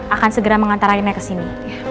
akan segera mengantaranya ke sini